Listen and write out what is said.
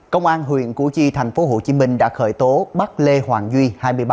công an huyện củ chi tp hcm đã khởi tố bắt lê hoàng duy